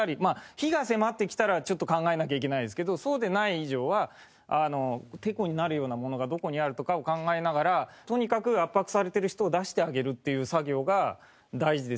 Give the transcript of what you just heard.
火が迫ってきたらちょっと考えなきゃいけないですけどそうでない以上はてこになるようなものがどこにあるとかを考えながらとにかく圧迫されてる人を出してあげるっていう作業が大事です。